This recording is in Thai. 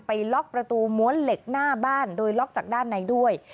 ล็อกประตูม้วนเหล็กหน้าบ้านโดยล็อกจากด้านในด้วย